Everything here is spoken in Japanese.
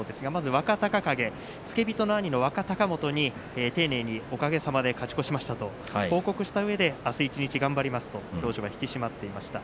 若隆景は付け人の兄の若隆元に丁寧におかげさまで勝ち越しましたと報告したうえであす一日頑張りますと表情が引き締まっていました。